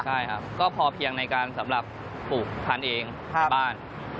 ใช่ครับก็พอเพียงในการสำหรับปลูกพันธุ์เองในบ้าน